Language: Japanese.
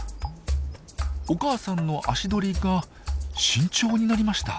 お母さんの足取りが慎重になりました。